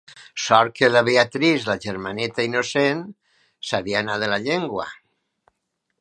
Sort que la Beatrice, la germaneta innocent, s'havia anat de la llengua!